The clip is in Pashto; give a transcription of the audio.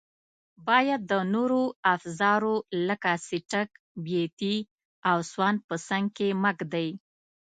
باید د نورو افزارو لکه څټک، بیاتي او سوان په څنګ کې مه ږدئ.